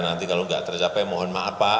nanti kalau tidak tercapai mohon maaf pak